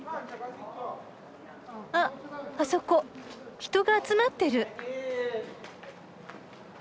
あっあそこ人が集まってる。